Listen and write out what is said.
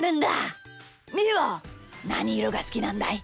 みーはなにいろがすきなんだい？